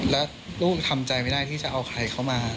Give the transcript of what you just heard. แล้วลูกทำใจไม่ได้ที่จะเอาใครเข้ามา